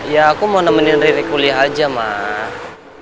ya aku mau nemenin riri kuliah aja mah